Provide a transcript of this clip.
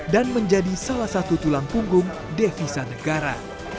dan menjadi salah satu tulang punggung devisa negara